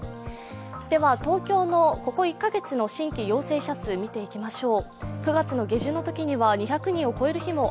東京のここ１カ月の新規陽性者数を見ていきましょう。